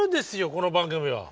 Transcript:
この番組は。